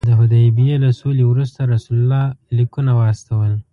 د حدیبیې له سولې وروسته رسول الله لیکونه واستول.